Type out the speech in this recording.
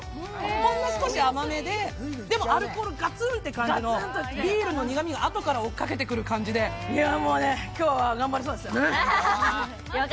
ほんの少し甘めででも、アルコールガツンって感じのビールの苦みがあとから追いかけてくる感じでいや、もうね、今日は頑張れそうです。